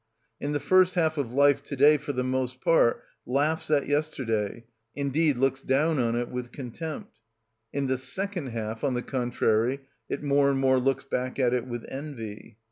In the first half of life to day for the most part laughs at yesterday, indeed looks down on it with contempt; in the second half, on the contrary, it more and more looks back at it with envy.